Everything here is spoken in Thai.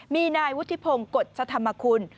มีนายวุฒิพงษ์โกฌสธมชตร